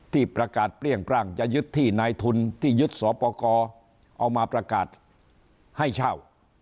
ที่ประกาศเปรี้ยงปร่างจะยึดที่นายทุนที่ยึดสอปกรเอามาประกาศให้เช่า